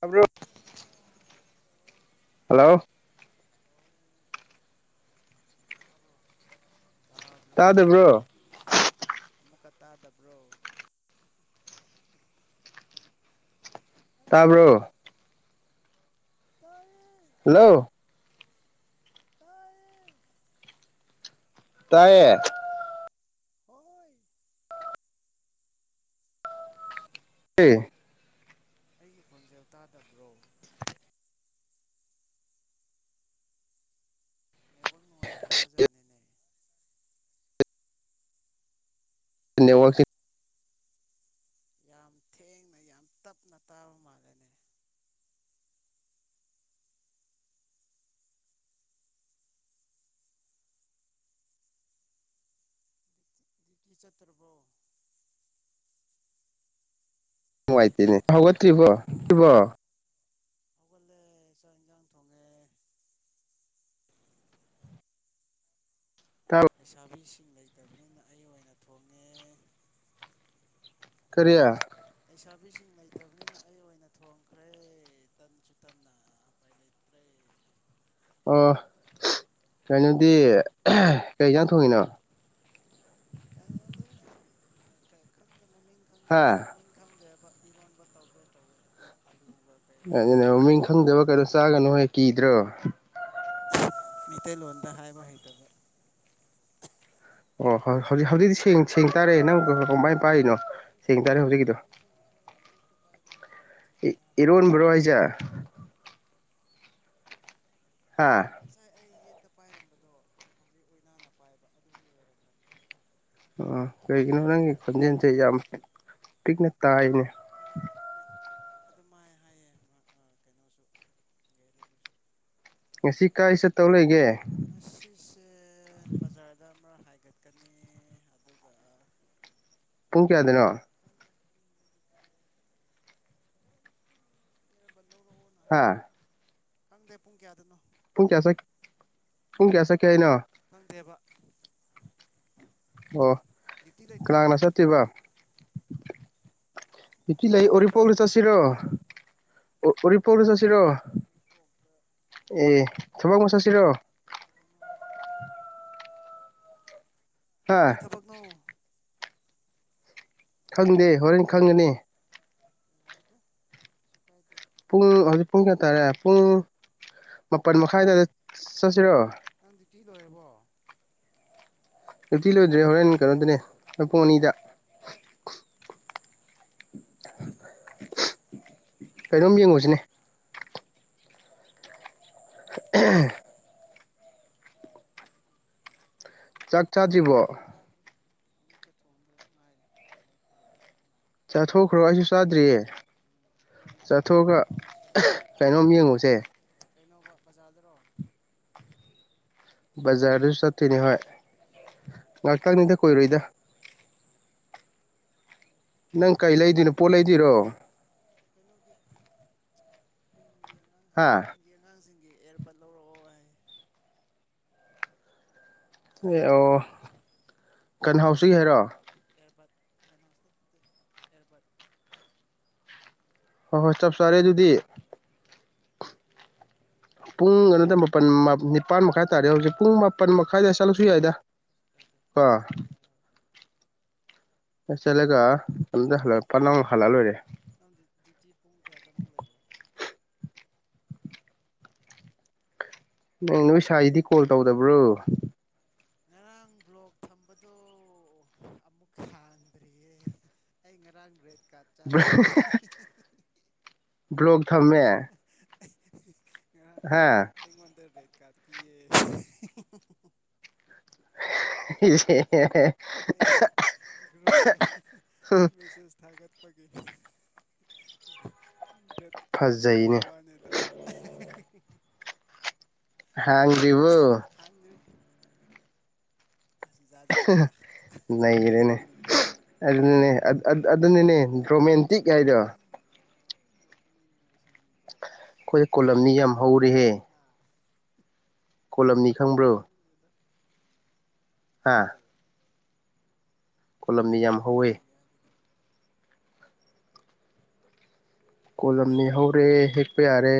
ꯇꯥꯕ꯭ꯔꯣ ꯑ ꯂꯥꯛꯑꯣ ꯍꯜꯂꯣ ꯍꯜꯂꯣ ꯇꯥꯕ꯭ꯔꯣ ꯇꯥꯕ꯭ꯔꯣ ꯇꯥꯗꯕ꯭ꯔꯣ ꯑꯃꯨꯛꯀꯥ ꯇꯥꯗꯕ꯭ꯔꯣ ꯍꯜꯂꯣ ꯇꯥꯕ꯭ꯔꯣ ꯇꯥꯏꯌꯦ ꯍꯜꯂꯣ ꯇꯥꯢꯌꯦ ꯇꯥꯏꯌꯦ ꯍꯣꯏ [unintelligible] ꯑꯩꯒꯤ ꯈꯣꯟꯖꯦꯜ ꯇꯥꯗꯕ꯭ꯔꯣ ꯅꯦꯠꯋꯥꯛ ꯅꯨꯡꯉꯥꯏꯇꯕ ꯖꯥꯠꯅꯤꯅꯦ ꯅꯦꯠꯋꯥꯛꯁꯤ ꯌꯥꯝ ꯊꯦꯡꯅ ꯌꯥꯝ ꯇꯞꯅ ꯇꯥꯕ ꯃꯥꯜꯂꯦꯅꯦ ꯗꯨ꯭ꯌꯇꯤ ꯆꯠꯇꯕ꯭ꯔꯣ ꯅꯨꯡꯉꯥꯏꯇꯦꯅꯦ ꯍꯧꯒꯠꯇ꯭ꯔꯤꯕꯣ ꯔꯤꯕꯣ ꯍꯧꯒꯠꯂꯦ ꯆꯥꯛ ꯢꯟꯖꯥꯡ ꯊꯣꯡꯉꯦ ꯂꯩꯁꯥꯕꯤꯁꯤꯡ ꯂꯩꯇꯕꯅꯤꯅ ꯑꯩ ꯑꯣꯏꯅ ꯊꯣꯡꯉꯦ ꯀꯔꯤ ꯂꯩꯁꯥꯕꯤꯁꯤꯡ ꯂꯩꯇꯕꯅꯤꯅ ꯑꯩ ꯑꯣꯏꯅ ꯊꯣꯡꯈ꯭ꯔꯦ ꯇꯟꯁꯨ ꯇꯟꯅ ꯎꯄꯥꯏ ꯂꯩ ꯇ꯭ꯔꯦꯂꯤ ꯑꯣ ꯀꯩꯅꯣꯗꯤ ꯀꯩ ꯏꯟꯖꯥꯡ ꯊꯣꯡꯉꯤꯅꯣ ꯀꯩꯉꯣꯗꯤ ꯈꯪꯗꯦ ꯃꯃꯤꯡ ꯈꯪꯗꯦ ꯍꯥ ꯃꯃꯤꯡ ꯈꯪꯗꯦ ꯍꯥꯏꯕ ꯏꯔꯣꯟꯕ ꯇꯧꯒꯦ ꯇꯧꯋꯦ ꯑꯂꯨꯒ ꯀꯩꯅꯣ ꯑꯗꯨꯅ ꯃꯃꯤꯡ ꯈꯪꯗꯕ ꯀꯩꯅꯣ ꯆꯥꯒꯅꯨ ꯍꯣꯏ ꯀꯤꯗ꯭ꯔꯣ ꯃꯩꯇꯩꯂꯣꯟꯗꯥ ꯍꯥꯏꯕ ꯍꯩꯇꯕ ꯑꯣ ꯍꯣꯏ ꯍꯧꯖꯤꯛ ꯍꯧꯖꯤꯛꯇꯤ ꯁꯦꯡ ꯁꯦꯡ ꯇꯥꯔꯦ ꯅꯪ ꯀꯃꯥꯏꯟ ꯄꯥꯏꯔꯤꯅꯣ ꯑꯩ ꯁꯦꯡ ꯇꯥꯔꯦ ꯍꯧꯖꯤꯛꯀꯤꯗꯣ ꯑꯩꯁꯦ ꯉꯁꯥꯏ ꯌꯦꯠꯇꯥ ꯄꯥꯏꯕꯅꯦꯕꯀꯣ ꯍꯧꯖꯤꯛ ꯑꯣꯏꯅꯥꯗ ꯄꯥꯏꯌꯦ ꯏꯔꯣꯟꯕ꯭ꯔꯣ ꯍꯥꯏꯁꯦ ꯍꯥꯥ ꯉꯁꯥꯏ ꯑꯩ ꯌꯦꯠꯇꯥ ꯄꯥꯏꯔꯝꯕꯗꯣ ꯍꯧꯖꯤꯛ ꯑꯣꯏꯅꯥꯅ ꯄꯥꯏꯕ ꯑꯗꯨꯒꯤ ꯑꯣꯏꯔꯝꯒꯅꯤ ꯑꯣ ꯀꯩꯒꯤꯅꯣ ꯅꯪꯒꯤ ꯈꯣꯟꯖꯦꯜꯁꯦ ꯌꯥꯝ ꯄꯤꯛ ꯄꯤꯛꯅ ꯇꯥꯏꯅꯦ ꯍꯣꯏ ꯑꯗꯨꯝꯃꯥꯏ ꯍꯥꯏꯌꯦ ꯀꯩꯅꯣꯁꯨ ꯒꯩꯔꯨꯗꯨꯁꯨ ꯉꯁꯤ ꯀꯥꯏ ꯆꯠꯇꯧ ꯂꯩꯒꯦ ꯉꯁꯤꯁꯦ ꯕꯖꯥꯔꯗ ꯑꯃꯥꯔꯛ ꯍꯥꯏꯒꯠꯀꯥꯅꯤ ꯑꯗꯨꯒꯥ ꯄꯨꯡ ꯀꯌꯥꯗꯅꯣ ꯈꯪꯗꯦ ꯄꯨꯡꯗꯤ ꯈꯪꯗꯦ ꯊꯕꯛ ꯑꯃꯈꯛꯇꯪꯅꯤꯅ ꯑꯦꯌꯥꯔ ꯕꯠ ꯂꯧꯔꯛꯑꯣꯅ ꯍꯥ ꯍꯥꯏꯕ ꯈꯪꯗꯦ ꯄꯨꯡ ꯀꯌꯥꯗꯅꯣ ꯄꯨꯡ ꯀꯌꯥ ꯆꯠ ꯄꯨꯡ ꯀꯌꯥ ꯆꯠꯀꯦ ꯍꯥꯏꯅꯣ ꯈꯪꯗꯦꯕ ꯑꯣ ꯗꯤꯌ꯭ꯨꯇꯤ ꯂꯩꯇ꯭ꯔꯥꯕꯣ ꯇꯦꯕꯥ ꯗꯤꯌ꯭ꯨꯇꯤ ꯗ꯭ꯌꯨꯇꯤ ꯂꯩ ꯂꯩꯇ꯭ꯔꯣ ꯎꯔꯤꯄꯣꯛꯂꯥ ꯆꯠꯁꯤꯔꯣ ꯍꯥ ꯎꯔꯤꯄꯣꯛꯗ ꯆꯠꯁꯤꯔꯣ ꯎꯔꯤꯄꯣꯛꯇꯥ ꯑꯦ ꯊꯕꯛ ꯑꯃ ꯆꯠꯁꯤꯔꯣ ꯀꯩ ꯊꯕꯛꯅꯣ ꯍꯥꯏꯁꯤꯕꯣ ꯍꯥ ꯀꯩ ꯊꯕꯛꯅꯣ ꯈꯪꯗꯦ ꯍꯣꯔꯦꯟ ꯈꯪꯒꯅꯤ ꯌꯥꯏꯗ ꯀꯩꯁꯨ ꯀꯥꯏꯗꯦ ꯄꯨꯡ ꯍꯧꯖꯤꯛ ꯄꯨꯡ ꯀꯌꯥ ꯇꯥꯔꯦ ꯄꯨꯡ ꯃꯥꯄꯜ ꯃꯈꯥꯏ ꯑꯗꯥꯏꯗ ꯆꯠꯁꯤꯔꯣ ꯅꯪ ꯗꯤꯌ꯭ꯨꯇꯤ ꯂꯣꯏꯔꯥꯕꯣ ꯗꯤꯌ꯭ꯨꯇꯤ ꯂꯣꯏꯗ꯭ꯔꯤ ꯍꯣꯔꯦꯟ ꯀꯩꯅꯣꯗꯅꯦ ꯄꯨꯡ ꯑꯅꯤꯗꯥ ꯎꯝ ꯌꯥꯏ ꯀꯩꯁꯨ ꯀꯥꯏꯗꯦ ꯀꯔꯤ ꯊꯕꯛꯅꯣ ꯀꯩꯅꯣꯝ ꯌꯦꯡꯉꯨꯁꯤꯅꯦ ꯑꯥ ꯆꯥꯛ ꯆꯥꯗ꯭ꯔꯤꯕꯣ ꯆꯥꯗ꯭ꯔꯤ ꯍꯧꯖꯤꯛꯇꯥ ꯊꯣꯡꯗꯥ ꯑꯗꯨꯝ ꯉꯥꯏꯔꯦ ꯊꯣꯡ ꯂꯣꯏꯔꯦ ꯑꯗꯨꯝ ꯉꯥꯏꯔꯦ ꯆꯥꯊꯣꯛꯈ꯭ꯔꯣ ꯑꯩꯁꯨ ꯆꯥꯗ꯭ꯔꯤꯌꯦ ꯏꯔꯣꯝꯕ ꯆꯥꯊꯣꯛꯑꯥꯒ ꯏꯔꯣꯝꯕ ꯁꯦꯝꯗꯣꯏꯅꯤ ꯀꯩꯅꯣꯝ ꯌꯦꯡꯉꯨꯁꯦ ꯀꯩꯅꯣꯕ ꯕꯖꯥꯔꯗꯥꯔꯣ ꯕꯖꯥꯔꯗꯥ ꯆꯠꯇꯣꯏꯅꯤ ꯍꯣꯏ [inaudible] ꯉꯥꯛꯇꯪꯅꯤꯗꯥ ꯀꯨꯏꯔꯣꯏꯗꯥ ꯍꯣꯏ ꯍꯣꯏ ꯅꯪ ꯀꯩ ꯂꯩꯗꯣꯏꯅꯣ ꯄꯣꯠ ꯂꯩꯗꯣꯏꯔꯣ ꯀꯩꯅꯣꯒꯤ ꯈꯨꯟꯒꯤ ꯑꯉꯥꯡꯁꯤꯡ ꯍꯥ ꯈꯨꯟ ꯒꯤ ꯑꯉꯥꯡꯖꯤꯡꯒꯤ ꯑꯦꯌꯥꯔꯕꯥꯠ ꯂꯧꯔꯛꯑꯣ ꯍꯥꯏ ꯑꯦ ꯑꯣ ꯀꯟꯍꯥꯎꯁꯤꯒꯤ ꯍꯥꯏꯔꯣ ꯑꯦꯔꯕꯥꯠ ꯒꯟ ꯍꯥꯎꯁ ꯅꯠꯇꯦ ꯑꯦꯔꯕꯥꯠ ꯍꯣꯏ ꯍꯣꯏ ꯆꯞ ꯆꯥꯔꯦ ꯑꯗꯨꯗꯤ ꯑꯥ ꯄꯨꯡ ꯑꯗꯨꯗꯥ ꯃꯥꯄꯜ ꯅꯤꯄꯥꯟ ꯃꯈꯥꯏ ꯇꯥꯔꯦ ꯍꯧꯖꯤꯛ ꯄꯨꯡ ꯃꯥꯄꯟ ꯃꯈꯥꯏ ꯑꯗꯥꯏ ꯆꯠꯂꯥꯁꯨ ꯌꯥꯏꯗꯥ [unintelligible] ꯆꯇꯄꯥ ꯌꯥꯔꯣꯏ ꯆꯠꯂꯒꯗ ꯍꯜꯂ ꯄ ꯅꯛ ꯍꯜꯂꯛ ꯂꯣꯏꯔꯦ ꯅꯪ ꯗꯤꯌꯇꯤ ꯄꯨꯡ ꯀꯌꯥꯗꯃꯨꯛ ꯂꯩꯕ꯭ꯔꯥ ꯅ ꯅꯣꯏ ꯁꯥꯏꯒꯤꯗꯤ ꯀꯣꯜ ꯇꯧꯗꯕ꯭ꯔꯣ ꯉꯔꯥꯡ ꯕ꯭ꯂꯣꯛ ꯊꯝꯕꯗꯣ ꯑꯃꯨꯛ ꯍꯥꯡꯗ꯭ꯔꯤꯌꯦ ꯑꯩ ꯉꯔꯥꯡ ꯔꯦꯠ ꯀꯥꯔꯗ ꯆꯥꯏꯌꯦ ꯕ꯭ꯂꯣꯛ ꯊꯝꯃꯦ ꯉꯔꯥꯡ ꯑꯩ ꯍꯥ ꯑꯩꯉꯣꯟꯗ ꯔꯦꯗ ꯀꯥ ꯄꯤꯌꯦ ꯏ [unintelligible] ꯒ꯭ꯔꯨꯨꯞꯗ ꯃꯦꯁꯦꯁ ꯊꯥꯒꯠꯄꯒꯤ [unintelligible] ꯀꯥꯠ ꯐꯖꯩꯅꯦ ꯆꯕꯋꯥꯅꯤꯗ ꯍꯥꯡꯗꯔꯤꯕꯨ ꯍꯥꯡꯗꯔꯤ ꯆꯥꯠ ꯆꯥꯠꯅꯤꯗ ꯑꯗꯨꯅꯦ ꯑꯗꯨꯅꯅꯦ ꯏꯝꯄꯔꯨꯞꯃꯦꯟ ꯐ ꯅꯣꯛ ꯅꯤꯡꯕꯁꯤꯗꯤꯀꯣ ꯑꯩꯈꯣꯏ ꯀꯣꯂꯝꯅꯤ ꯌꯥꯝ ꯍꯧꯔꯤꯍꯦ ꯍꯥꯥ ꯀꯣꯂꯝꯅꯤ ꯈꯪꯕ꯭ꯔꯣ ꯈꯪꯗꯦꯗ ꯍꯥ ꯈꯪꯗꯦ ꯀꯣꯂꯝꯅꯤ ꯌꯝ ꯈꯨꯜꯂꯝꯅꯤꯌꯥ ꯍꯥꯏꯖ ꯀꯩꯅꯣ ꯀꯣꯂꯝꯅꯤ ꯍꯧꯔꯦ ꯍꯦꯛꯄ ꯌꯥꯔꯦ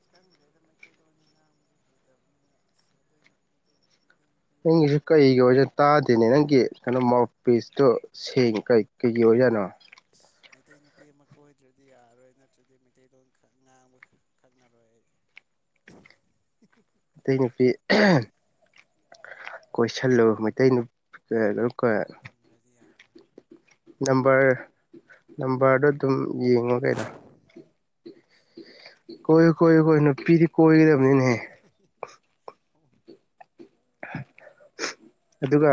ꯏ ꯈꯪꯗ꯭ꯔꯦꯗ ꯃꯩꯇꯩꯂꯣꯟꯁꯦ ꯉꯥꯡꯕꯁꯦ ꯍꯩꯇꯕꯅꯤꯅ ꯑꯁ ꯃꯩꯇꯩꯩ ꯃꯩꯇꯩꯅ ꯅꯒꯤꯁꯨ ꯀꯩꯒꯤ ꯑꯣꯖ ꯇꯥꯗ ꯁꯤꯅꯦ ꯅꯪꯒꯤ ꯀꯩꯅꯣ ꯃꯥꯎꯠ ꯄꯤꯁꯇꯣ ꯁꯦꯡ ꯀ ꯀꯩꯒꯤ ꯑꯣꯏꯖꯅꯣ ꯑꯁ ꯃꯩꯇꯩ ꯅꯨꯄꯤ ꯑꯃ ꯀꯣꯏꯗ꯭ꯔꯗꯤ ꯌꯥꯔꯔꯣꯏ ꯅꯠꯇ꯭ꯔꯗꯤ ꯃꯩꯇꯩꯂꯣꯟ ꯉꯥꯡꯕ ꯈꯪꯉꯔꯣꯏ ꯑꯩ [unintelligible] ꯑꯇꯩ ꯅꯨꯄꯤ ꯌꯥꯔ ꯀꯣꯏꯁꯤꯜꯂꯨ ꯃꯩꯇꯩ ꯅꯨ ꯈꯔ ꯇꯝꯈ꯭ꯔꯗꯤ ꯌꯥꯔꯔꯣꯏ ꯅꯝꯕꯔ ꯅꯝꯕꯔꯗꯣ ꯑꯗꯨꯝ ꯌꯦꯡꯉꯣ ꯀꯩꯅꯣ [unintelligible] ꯀꯣꯏꯌꯨ ꯀꯣꯏꯌꯨ ꯀꯣꯏꯌꯨ ꯅꯨꯄꯤꯗꯤ ꯀꯣꯏꯒꯗꯕꯅꯤꯅꯦꯍꯦ [unintelligible] ꯑꯗꯨꯒ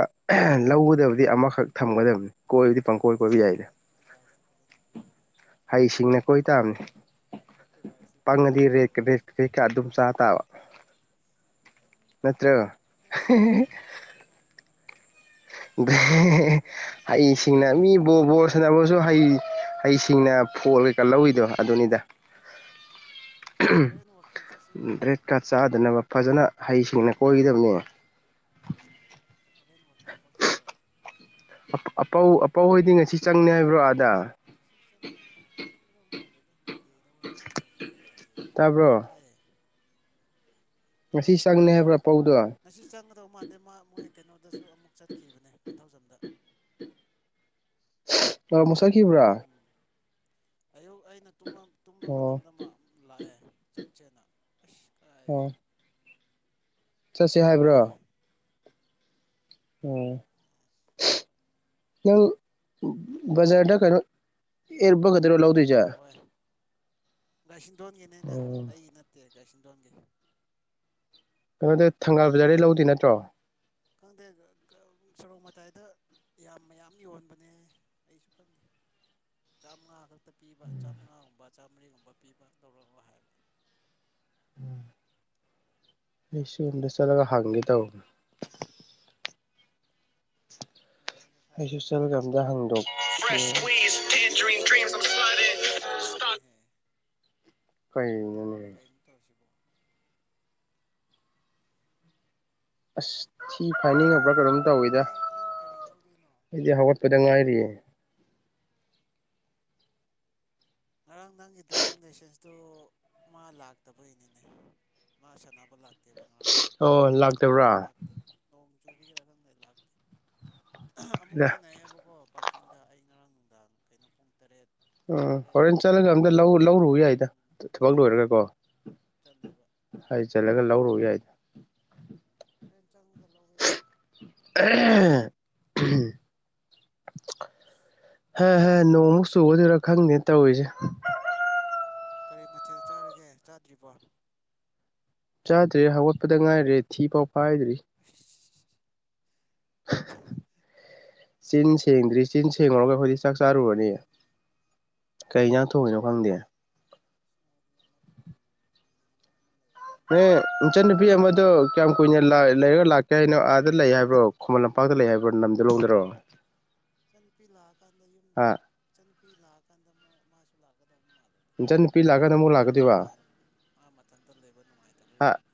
ꯂꯧꯒꯗꯕꯗꯤ ꯑꯃꯈꯛ ꯊꯝꯒꯗꯕꯅꯤ ꯀꯣꯏꯗꯤ ꯄꯪꯀꯣꯏ ꯀꯣꯏꯕ ꯌꯥꯏꯗ ꯑꯦꯗꯚꯥꯏꯁꯇꯤ ꯐꯖꯅ ꯄꯤꯔꯦ ꯍꯥꯏ ꯍꯩꯁꯤꯡꯅ ꯀꯣꯏ ꯇꯥꯕꯅꯦ ꯑꯦꯗꯚꯥꯏꯁꯁꯦ ꯐꯖꯅ ꯄꯤꯔꯛꯑꯦ ꯀꯩꯀꯥ ꯑꯗꯨꯝ ꯆꯥ ꯇꯥꯕ ꯅꯠꯇ꯭ꯔꯣ ꯃꯥꯅꯤ ꯃꯥꯅꯤ ꯃꯥꯅꯤ ꯃꯥꯅꯤ ꯑꯃꯨꯛ ꯔꯦꯠ ꯀꯥꯔꯠ ꯍꯥꯏ ꯁꯤꯅ ꯆꯥꯗꯅꯀꯣ ꯃꯤ ꯕꯣ ꯕꯣꯁ ꯁꯥꯟꯅꯕꯁꯨ ꯍꯩ ꯍꯩꯁꯤꯡꯅ ꯐꯣꯜ ꯀꯩꯀꯥ ꯂꯧꯋꯤꯗꯣ ꯑꯁ ꯃꯥꯅꯦꯅꯦ ꯃꯥꯅꯤꯅꯦ ꯍꯣꯏꯅꯦ ꯋꯥꯛꯀꯤꯡ ꯆꯠꯁꯤꯔꯣ ꯑꯗꯨꯅꯕ ꯐꯖꯅ ꯍꯩꯁꯤꯡꯅ ꯀꯣꯏꯒꯗꯕꯅꯤ ꯍꯣꯔꯦꯟ ꯋꯥꯛꯀꯤꯡ ꯊꯣꯛꯁꯤꯔꯣ ꯑꯄ ꯑꯄꯧ ꯑꯄꯧ ꯍꯣꯏꯗꯤ ꯉꯁꯤ ꯆꯪꯅꯤ ꯍꯥꯏꯕ꯭ꯔꯣ ꯑꯥꯗ ꯉꯁꯤ ꯆꯪꯃꯥꯏ ꯉꯁꯤ ꯆꯪꯒꯗꯕ ꯃꯥꯟꯗꯦꯗ ꯃꯟꯗꯦ ꯗꯦ ꯑꯣꯏꯅ ꯆꯪꯗꯧ ꯃꯥꯂꯦ ꯁꯟꯗꯦꯗ꯭ꯔ ꯇꯥꯕ꯭ꯔꯣ ꯇꯥꯏꯌꯦ ꯉꯁꯤ ꯆꯪꯅꯤ ꯍꯥꯏꯕ꯭ꯔꯥ ꯑꯄꯧꯗꯣ ꯉꯁꯤ ꯆꯪꯒꯗꯧ ꯃꯥꯟꯗꯦ ꯃꯥ ꯃꯣꯏ ꯀꯩꯅꯣꯗꯁꯨ ꯑꯃꯨꯛ ꯆꯠꯈꯤꯕꯅꯦ ꯀꯣꯟꯊꯧꯖꯝꯗ [unintelligible] ꯑ ꯃꯁꯥ ꯈꯤꯕ꯭ꯔꯥ ꯎꯝ ꯑꯌꯨꯛ ꯑꯩꯅ ꯇꯨꯝꯕ ꯇꯨꯝꯕ ꯑꯣ ꯃꯇꯝꯗ ꯃꯥ ꯂꯥꯛꯑꯦ ꯆꯠꯁꯦꯅ ꯑꯁ ꯀꯥꯏ ꯑꯣ ꯆꯠꯁꯦ ꯍꯥꯏꯕ꯭ꯔ ꯍꯣꯏ ꯎꯝ [unintelligible] ꯅꯪ ꯕꯖꯥꯔꯗ ꯀꯩꯅꯣ ꯑꯦꯔꯕꯒ ꯈꯠꯇꯔꯣ ꯂꯧꯗꯣꯏꯖꯦ ꯑꯥꯏ ꯒꯥꯏꯁꯤꯟꯗꯣꯟꯒꯤꯅꯤꯅꯦ ꯎꯝ ꯑꯩꯏ ꯅꯠꯇꯦ ꯒꯥꯏꯁꯤꯟꯗꯣꯟꯒꯤ ꯑꯗꯨꯗꯤ ꯊꯪꯒꯥꯜ ꯕꯖꯥꯔꯗꯩ ꯂꯧꯗꯣꯏ ꯅꯠꯇ꯭ꯔꯣ ꯈꯪꯗꯦ ꯀ ꯀ ꯁꯔꯣꯛ ꯃꯇꯥꯏꯗ ꯌꯥꯝ ꯃꯌꯥꯝ ꯌꯣꯟꯕꯅꯦ ꯑꯩꯁꯨ ꯈꯪꯗꯦ ꯆꯥꯝꯉꯥ ꯈꯛ ꯇ ꯄꯤꯕ ꯆꯥꯝꯉꯥꯒꯨꯝꯕ ꯆꯥꯝꯃꯔꯤꯒꯨꯝꯕ ꯄꯤꯕ ꯂꯧꯔꯛꯑꯣ ꯍꯥꯏꯕ ꯌꯥꯝ ꯑꯩꯁꯨ ꯑꯝꯗ ꯇꯥꯡꯗꯕꯤꯗ ꯆꯠꯂꯒ ꯍꯪꯒꯦ ꯇꯧꯕ ꯌꯦꯡꯔ ꯍꯩꯁꯨ ꯆꯠꯂꯒ ꯑꯝꯗ ꯍꯪꯗꯣꯛ [unintelligible] ꯕꯦꯔꯥꯅꯦꯅꯍꯦ ꯀꯩꯅꯣꯅꯦ ꯎꯝ ꯇꯧꯏꯁꯤꯕꯣ ꯑꯁ ꯊꯤ ꯐꯥꯏꯅꯤꯡꯉꯕ꯭ꯔꯥ ꯀꯩꯅꯣꯝ ꯇꯧꯋꯤꯗ ꯅꯩ ꯅꯪ ꯀꯔꯤ ꯂꯧꯗꯣꯏꯅꯣ ꯄꯗ ꯉꯥꯏꯔꯤꯌꯦ ꯉꯔꯥꯡ ꯅꯪꯒꯤ ꯗ꯭ꯔꯥꯏꯚꯤꯡ ꯂꯥꯏꯁꯦꯟꯁꯇꯨ ꯃꯥ ꯂꯥꯛꯇꯕꯩꯅꯤꯅꯦ ꯃꯥ ꯁꯅꯥꯕ ꯂꯥꯛꯇꯦꯕ ꯉꯥꯔꯥꯡ [unintelligible] ꯑꯣ ꯂꯥꯛꯇꯕ꯭ꯔꯥ ꯅꯣꯡ ꯆꯨꯕꯒꯤꯔꯥ ꯈꯪꯗꯦ ꯂꯥꯛꯇꯦ ꯑꯍꯥ ꯑꯃꯨꯛ ꯊꯦꯡꯅꯩꯌꯦꯕꯀꯣ ꯄꯔꯥꯛ ꯀꯤꯡꯗ ꯑꯩ ꯉꯔꯥꯡ ꯅꯨꯡꯗꯥꯡ ꯀꯩꯅꯣ ꯄꯨꯡ ꯇꯔꯦꯠ ꯑ ꯇꯔꯦꯠ ꯍꯣꯔꯦꯟ ꯆꯠꯂꯒꯗ ꯑꯃꯇꯥ ꯂꯧ ꯂꯧꯔꯨ ꯌꯥꯏ ꯎꯝ ꯄꯨꯡ ꯇꯔꯦꯠ ꯑꯗꯨꯋꯥꯏꯗ ꯆꯜꯂꯦꯕ ꯑꯗꯨ ꯇꯜꯂꯒ ꯂꯧꯔꯨ ꯑꯩ ꯌꯥꯏꯗ ꯍꯣꯔꯦꯟ ꯆꯪꯉꯒ ꯂꯧꯕ ꯌꯥꯏ ꯀꯩꯁꯨ ꯀꯥꯏꯗꯦ [unintelligible] ꯍꯥ ꯍꯥ ꯅꯣꯡꯃꯨꯛ ꯆꯨꯒꯗꯣꯏꯔꯥ ꯈꯪꯗꯦ ꯇꯧꯔꯤꯖꯦ ꯀꯔꯤ ꯃꯊꯦꯜ ꯆꯥꯔꯒꯦ ꯆꯥꯗ꯭ꯔꯤꯕꯣ ꯆꯥꯗ꯭ꯔꯤ ꯍꯧꯒꯠꯄꯗ ꯉꯥꯏꯔꯤ ꯊꯤ ꯄꯥꯎ ꯄꯥꯏꯗ꯭ꯔꯤ ꯑꯃ [unintelligible] ꯆꯤꯟ ꯁꯦꯡꯗ꯭ꯔꯤ ꯆꯤꯟ ꯁꯦꯡꯉꯨꯔꯒ ꯑꯩꯈꯣꯏꯗꯤ ꯆꯥꯛ ꯆꯥꯔꯨꯨꯔꯅꯤ ꯀꯩ ꯏꯟꯖꯥꯡ ꯊꯣꯡꯏꯅꯣ ꯈꯪꯗꯦ ꯑꯗꯤ ꯑꯃ ꯊꯣꯡ ꯊꯣꯡꯕꯤꯅꯕ ꯑꯃ ꯂꯩꯕꯅꯤꯅ ꯌꯥꯝ ꯅꯨꯡꯉꯥꯏ ꯍꯦ ꯏꯪꯆꯟꯅꯨꯄꯤ ꯑꯃꯗꯣ ꯀꯌꯥꯝ ꯀꯨꯏꯅ ꯂꯥꯏ ꯂꯩꯔꯒ ꯂꯥꯛꯀꯦ ꯍꯥꯏꯅꯣ ꯑꯥꯗ ꯂꯩ ꯍꯥꯏꯕ꯭ꯔꯣ ꯈꯨꯃꯟ ꯂꯝꯄꯥꯛꯇ ꯂꯩ ꯍꯥꯏꯕ꯭ꯔꯣ ꯍꯣꯏ ꯅꯝꯖꯂꯣꯡꯗꯔꯣ ꯃꯅꯥꯎꯄꯥ ꯏꯆꯟꯅꯨꯄꯤ ꯂꯥꯛꯑꯀꯥꯟꯗ ꯌꯨꯝ ꯑ ꯈꯨꯟ ꯏꯟꯅꯨꯄꯤ ꯂꯥꯛꯑꯀꯥꯟꯗ ꯃꯣꯏ ꯃꯥꯁꯨ ꯂꯥꯛꯀꯗꯧꯕ ꯃꯥꯜꯂꯦ ꯏꯆꯝ ꯅꯨꯄꯤ ꯂꯒꯗ ꯑꯃꯨꯛ ꯂꯥꯛ ꯀ ꯃꯥ ꯃꯊꯟꯇ ꯂꯩꯕ ꯅꯨꯡꯉꯥꯏꯇꯕꯩ ꯑ ꯑꯣꯏꯔꯝꯅꯤ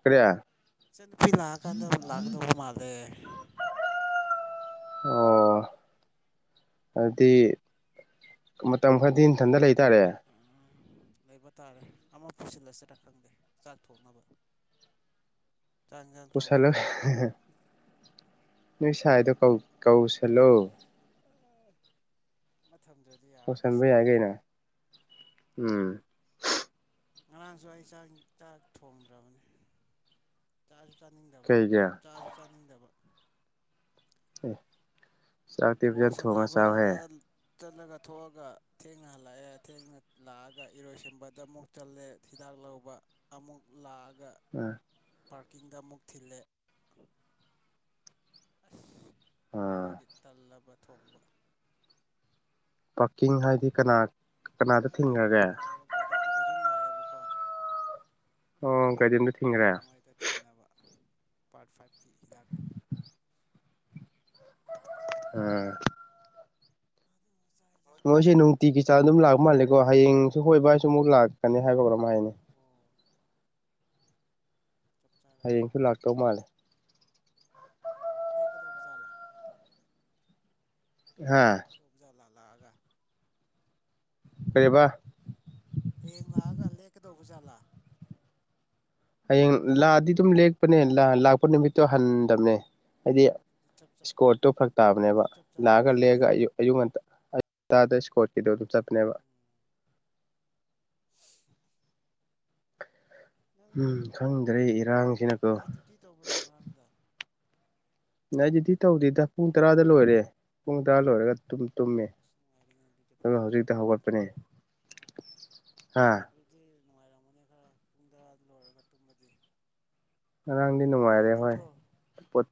ꯀꯔꯤ ꯏꯆꯟ ꯅꯨꯄꯤ ꯂꯥꯛꯑꯀꯥꯟꯗ ꯑꯃꯨꯛ ꯂꯥꯛꯀꯗꯧꯕ ꯃꯥꯜꯂꯦ [unintelligible] ꯑꯣ ꯑꯗꯤ ꯃꯇꯝ ꯈꯔꯗꯤ ꯅꯊꯟꯗ ꯂꯩ ꯇꯥꯔꯦ ꯂꯩꯕ ꯇꯥꯔꯦ ꯑꯃ ꯄꯨꯁꯤꯜꯂꯁꯤꯔꯥ ꯈꯪꯗꯦ ꯆꯥꯛ ꯊꯣꯡꯅꯕ ꯆꯥꯡ ꯌꯦꯟꯁꯥꯡ ꯄꯨꯁꯜꯂꯣ ꯊꯣꯡꯅꯕ ꯅꯣꯏ ꯁꯥꯏꯗꯣ ꯀꯧ ꯀꯧꯁꯦ ꯑꯃ ꯊꯝꯗ꯭ꯔꯗꯤ ꯌꯥꯔꯣꯏ ꯀꯧꯁꯟꯕ ꯑꯁ ꯌꯥꯏ ꯀꯥꯏꯗꯒꯤ ꯀꯩꯅꯣ ꯎꯝ ꯉꯔꯥꯡꯁꯨ ꯑꯩ ꯆꯥꯛ ꯆꯥꯛ ꯊꯣꯡꯗ꯭ꯔꯕꯅꯦ ꯆꯥꯁꯨ ꯆꯥꯅꯤꯡꯗꯕ ꯀꯩꯒꯤ ꯑꯦ ꯆꯥꯁꯨ ꯆꯥꯅꯤꯡꯗꯕ ꯑꯣ ꯕꯣꯜ ꯁꯥꯟꯅꯕ ꯆꯠꯂꯒ ꯊꯣꯛꯑꯒ ꯊꯦꯡꯅ ꯍꯜꯂꯛꯑꯦ ꯊꯦꯡꯅ ꯂꯥꯛꯑꯒ ꯏꯔꯣꯏꯁꯦꯝꯕꯗ ꯑꯃꯨꯛ ꯆꯜꯂꯦ ꯍꯤꯗꯥꯛ ꯂꯧꯕ ꯑꯃꯨꯛ ꯂꯥꯛꯑꯒ ꯎꯝ ꯄꯥꯔꯀꯤꯡꯗ ꯑꯃꯨꯛ ꯊꯤꯜꯂꯦ ꯑꯁ ꯑ ꯑꯗꯨꯒꯤ ꯇꯜꯂꯕ ꯊꯣꯡꯕ ꯄꯥꯔꯀꯤꯡ ꯍꯥꯏꯗꯤ ꯀꯅꯥ ꯀꯅꯥꯗ ꯉꯔꯥꯡ ꯀꯩꯅꯣ ꯊꯤꯡꯈꯔꯒꯦ ꯂꯥꯛꯑꯦꯕ ꯒꯥꯏꯗꯤꯝ ꯒꯥꯏꯗꯤꯝ ꯂꯥꯛꯑꯦꯕꯀꯣ ꯑꯣ ꯒꯥꯥꯏꯗꯤꯝꯗ ꯊꯤꯟꯒꯔꯦ ꯊꯤꯅꯕ ꯄꯥꯔꯠ ꯐꯥꯏꯕꯀꯤ ꯍꯤꯗꯥꯛꯇꯣ ꯎꯝ inaudible ꯑꯩꯁꯦ ꯅꯨꯡꯇꯤꯒꯤ ꯆꯥꯡ ꯑꯗꯨꯝ ꯂꯥꯛꯄ ꯃꯥꯜꯂꯦꯀꯣ ꯍꯌꯦꯡꯁꯨ ꯑꯩꯈꯣꯏ ꯏꯕꯥꯏ ꯁꯨ ꯑꯃꯨꯛ ꯂꯥꯛꯀꯅꯤ ꯍꯥꯏꯕ꯭ꯔ ꯀꯩꯅꯣꯝ ꯍꯥꯏꯅꯦ ꯑꯣ ꯆꯞ ꯆꯥꯔꯦ ꯍꯌꯦꯡꯁꯨ ꯂꯥꯛꯑꯗꯤ ꯂꯥꯛꯇꯧ ꯃꯥꯜꯂꯦ ꯂꯩꯛꯀ ꯗꯧꯕ ꯖꯥꯠꯂ ꯍꯥꯥ ꯖꯥꯜꯂ ꯂꯥꯛꯑꯒ ꯀꯩꯑꯕ ꯍꯌꯦꯡ ꯂꯥꯛꯑꯒ ꯂꯦꯛꯀꯗꯧꯕ ꯖꯥꯠꯂ꯫ ꯍꯌꯦꯡ ꯂꯥꯛꯑꯗꯤ ꯑꯗꯨꯝ ꯂꯦꯛꯄꯅꯦ ꯂꯥꯛꯄ ꯅꯨꯃꯤꯠꯇꯣ ꯍꯟꯗꯕꯅꯦ꯫ ꯍꯥꯏꯗꯤ ꯑꯗꯨꯗꯤ ꯆꯞ ꯆꯥ ꯏꯁꯀ꯭ꯔꯣꯠꯇꯣ ꯐꯔꯛ ꯇꯥꯕꯅꯦꯕ ꯑꯗꯨꯗꯤ ꯆꯞ ꯂꯥꯛꯑꯒ ꯆꯥꯔꯦꯅꯦ ꯑꯩꯒꯤ ꯂꯦꯛꯑꯒ ꯑꯌꯨꯛ ꯑꯌꯨꯛ ꯉꯟꯇꯥ ꯑꯌꯨꯛ ꯉꯟꯇꯥꯗ ꯏꯁꯀ꯭ꯔꯣꯠ ꯀꯤꯗꯣ ꯑꯗꯨꯝ ꯆꯠꯄꯅꯦꯕ꯫ ꯎꯝ ꯅꯪ ꯎꯝ ꯈꯪꯗ꯭ꯔꯦ ꯏꯔꯥꯡꯁ unintelligible ꯅꯥꯏꯠ ꯗ꯭ꯌꯨꯇꯤ ꯇꯧꯕ꯭ꯔꯣ ꯉꯔꯥꯡꯗ ꯅꯥꯏ ꯗꯌ꯭ꯨꯇꯤ ꯇꯧꯗꯦꯗ ꯄꯨꯡ ꯇꯔꯥꯗ ꯂꯣꯏꯔꯦ ꯄꯨꯡ ꯇꯔꯥ ꯂꯣꯏꯔꯒ ꯇꯨꯝ ꯇꯨꯝꯃꯦ ꯑꯁ ꯅꯨꯡꯉꯥꯏꯔꯤꯅꯦ ꯑꯗꯨꯗꯤ ꯑꯗꯨꯒ ꯐꯖꯅ ꯍꯧꯖꯤꯛꯇꯤ ꯇꯨꯝꯃꯝꯒꯅꯤ ꯍꯧꯒꯠꯄꯅꯦ ꯍꯥ ꯑꯗꯨꯗꯤ ꯅꯨꯡꯉꯥꯏꯔꯝꯒꯅꯤ ꯈꯔ ꯄꯨꯡ ꯇꯔꯥ ꯂꯣꯏꯔꯒ ꯇꯨꯝꯕꯗꯤ꯫ ꯉꯔꯥꯡꯗꯤ ꯕꯣꯜ ꯅꯨꯡꯉꯥꯏꯔꯦ ꯍꯣꯏ ꯌꯦꯡꯗꯕ꯭ꯔꯣ ꯄꯣꯠ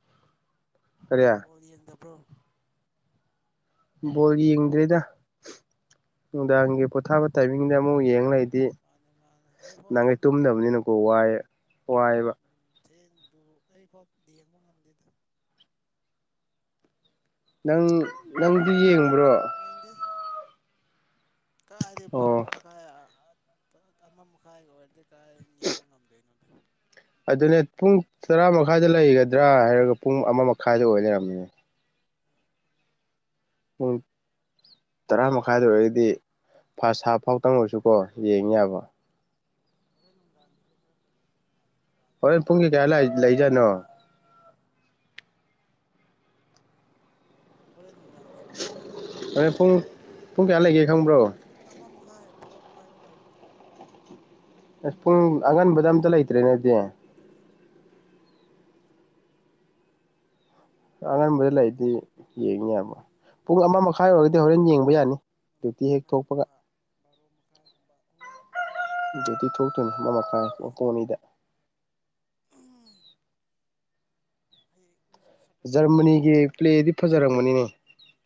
ꯀꯔꯤ ꯕꯣꯜ ꯌꯦꯡꯗꯕ꯭ꯔꯣ ꯕꯣꯜ ꯌꯦꯡꯗ꯭ꯔꯦꯗ ꯅꯨꯡꯗꯥꯡꯒꯤ ꯄꯣꯊꯥꯕ ꯇꯥꯏꯃꯤꯡꯗ ꯑꯃꯨꯛ ꯌꯦꯡ ꯂꯩ unintelligible ꯃꯥꯟꯅꯦ ꯃꯥꯟꯅꯦ ꯑꯩ ꯐꯥꯎ ꯌꯦꯡꯗꯦꯗ ꯍꯣ ꯋꯥꯏ ꯋꯥꯏꯑꯦꯕ ꯎꯝ ꯊꯦꯡꯕꯗꯨ ꯑꯩ ꯐꯥꯎ ꯌꯦꯡꯕ ꯉꯝꯗꯦꯗ꯫ ꯅꯪ ꯅꯪꯗꯤ ꯌꯦꯡꯕ꯭ꯔꯣ ꯌꯦꯡꯗꯦ ꯀꯥꯏꯗꯩ ꯚꯥꯔꯣ ꯑꯣ ꯃꯈꯥꯏ ꯑ ꯑ ꯑꯃ ꯃꯈꯥꯏꯒ ꯑꯣꯏꯔꯗꯤ ꯀꯗꯥꯥꯏ ꯌꯦꯡꯕ ꯉꯝꯗꯣꯏꯅꯣꯗ꯫ ꯑꯗꯨꯅꯦ ꯄꯨꯡ ꯇꯔꯥ ꯃꯈꯥꯏꯗ ꯂꯩꯒꯗ꯭ꯔꯥ ꯍꯥꯏꯔꯒ ꯄꯨꯡ ꯑꯃ ꯃꯈꯥꯏꯗ ꯑꯣꯏꯂꯩꯔꯝꯃꯦ꯫ ꯄꯨꯡ ꯇꯔꯥ ꯃꯈꯥꯏꯗ ꯑꯣꯏꯔꯒꯗꯤ ꯐꯥꯁ ꯍꯥꯐ ꯐꯥꯎ ꯇꯪ ꯑꯣꯏꯁꯨ ꯌꯦꯡ ꯌꯥꯕ ꯍꯣꯔꯦꯟ ꯅꯨꯡꯗꯥꯡꯒꯤꯁꯦ ꯈꯔ ꯐꯖꯒꯗꯧ ꯃꯥꯜꯂꯦ꯫ ꯐ꯭ꯔꯥꯟꯁ ꯍꯣꯔꯦꯟ ꯄꯨꯡꯒꯤ ꯀꯌꯥ ꯂꯩꯕꯅꯤꯅ ꯂꯥꯏ ꯂꯩꯖꯅꯣ꯫ ꯍꯥ ꯍꯣꯔꯦꯟ ꯅꯨꯡꯗꯥꯡ ꯐ꯭ꯔꯥꯟꯁꯒꯤ ꯌꯦꯡꯕ ꯇꯥꯔꯦ ꯍꯣꯔꯦꯟ ꯑꯩꯁꯨ ꯄꯨꯡ ꯄꯨꯡ ꯀꯌꯥ ꯂꯩꯒꯦ ꯈꯪꯕ꯭ꯔꯣ ꯄꯨꯡ ꯑꯃ ꯃꯈꯥꯏ ꯕꯥꯔꯣ ꯃꯈꯥꯏꯗ ꯑꯣꯏꯕ ꯃꯥꯜꯂꯦ꯫ [inaudible] ꯑꯁ ꯄꯨꯡ ꯑꯉꯟꯕꯗ ꯑꯝꯇ ꯂꯩꯇ꯭ꯔꯦꯅꯦ ꯑꯗꯨꯗꯤ꯫ ꯑꯃꯇ ꯂꯩꯇ꯭ꯔꯦ ꯃꯥꯜꯂꯦ ꯍꯟꯗꯛ ꯍꯧꯖꯤꯛꯀꯥꯟꯁꯦ꯫ ꯑꯉꯟꯕꯗ ꯂꯩꯗꯤ ꯌꯦꯡ ꯌꯥꯕ ꯄꯨꯡ ꯑꯃ ꯃꯈꯥꯏ ꯑꯣꯏꯔꯒꯗꯤ ꯍꯣꯔꯦꯟ ꯌꯦꯡꯕ ꯌꯥꯅꯤ꯫ ꯑꯃ ꯗ꯭ꯌꯨꯇꯤ ꯍꯦꯛ ꯊꯣꯛꯄꯒ ꯃꯈꯥꯏꯒꯨꯝꯕ ꯕꯥꯔꯣ ꯃꯈꯥꯏꯒꯨꯝꯕ ꯍꯣꯔꯦꯟ ꯈꯔ ꯗꯨꯏꯇꯤ ꯆꯞ ꯊꯣꯛꯇꯣꯏꯅꯤ ꯗꯥꯎ ꯑꯃ ꯃꯈꯥꯏ ꯌꯥꯔꯗꯤ ꯄꯨꯡ ꯑꯅꯤꯗ ꯎꯝ ꯍꯌꯦꯡ ꯉꯁꯤ ꯁꯠ ꯖꯔꯃꯅꯤꯒꯤ ꯄ꯭ꯂꯦꯗꯤ ꯐꯖꯔꯝꯒꯅꯤꯅꯦ ꯐ꯭ꯔꯥꯏꯗꯦꯅꯤꯅꯦ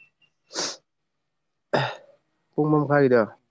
ꯄꯨꯡ ꯑꯃ ꯃꯈꯥꯏꯒꯤꯗꯣ ꯎꯝ